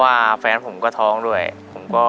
ปิดเท่าไหร่ก็ได้ลงท้ายด้วย๐เนาะ